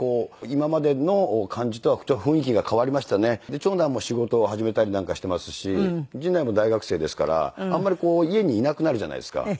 長男も仕事を始めたりなんかしていますし次男も大学生ですからあんまりこう家にいなくなるじゃないですか。